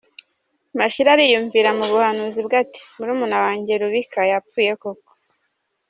Mashira ariyumvira mu buhanuzi bwe ati "Murumuna wanjye Rubika yapfuye koko.